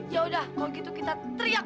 yaudah kalau gitu kita teriak